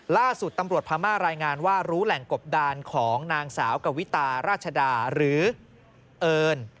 ล่าสุดตำรวจพม่ารายงานว่ารู้แหล่งกบดานของนางสาวกวิตาราชดาหรือเอิญ